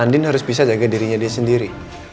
andin harus bisa jaga dirinya dia sendiri